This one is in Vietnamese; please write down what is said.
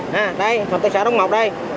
nè đây phòng thất xã đống ngọc đây